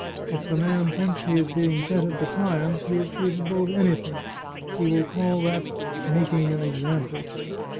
If the man thinks he is being set at defiance he is capable of anything; he will call that making an example!